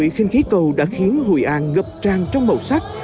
lễ hội khinh khí cầu đã khiến hội an ngập tràn trong màu sắc